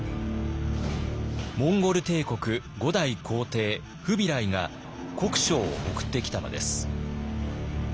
モンゴル帝国５代皇帝フビライが国書を送ってきたのです。